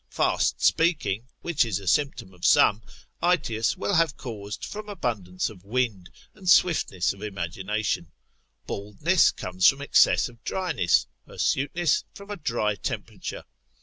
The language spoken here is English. Fast speaking (which is a symptom of some few) Aetius will have caused from abundance of wind, and swiftness of imagination: baldness comes from excess of dryness, hirsuteness from a dry temperature.